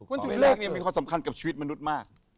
วันที่เกิดเลขนี่มีความสำคัญกับชีวิตมนุษย์มาก